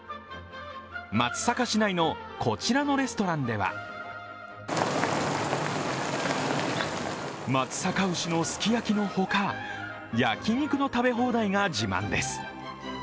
松阪市内のこちらのレストランでは松阪牛のすき焼きのほか焼き肉の食べ放題が自慢です。